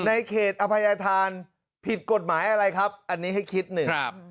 ในเขตอภัยธานผิดกฎหมายอะไรครับอันนี้ให้คิดหนึ่ง